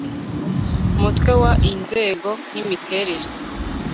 umutwe wa iii inzego n imiterere